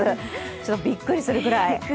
ちょっとびっくりするぐらい。